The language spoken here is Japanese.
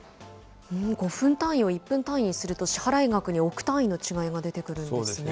５分単位を１分単位にすると、支払い額に億単位の違いが出てくるんですね。